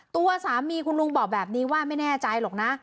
ตัวสามีคุณลุงบอกแบบนี้ว่าไม่แน่ใจหรอกนะ